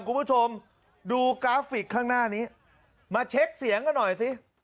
คุณผู้ชมดูกราฟิกข้างหน้านี้มาเช็คเสียงกันหน่อยสิ